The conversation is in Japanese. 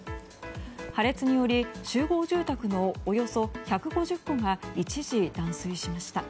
破裂により集合住宅のおよそ１５０戸が一時、断水しました。